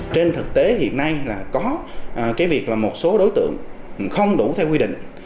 trên thực tế hiện nay là có cái việc là một số đối tượng không đủ theo quy định